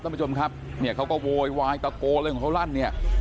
ท่านผู้ชมครับเนี่ยเขาก็โวยวายตะโกนอะไรของเขาลั่นเนี่ย